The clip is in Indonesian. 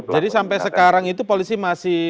jadi sampai sekarang itu polisi masih